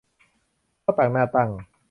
ข้าวตังหน้าตั้ง